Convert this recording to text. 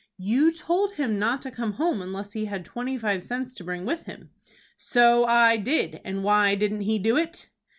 "You told him not to come home unless he had twenty five cents to bring with him." "So I did, and why didn't he do it?"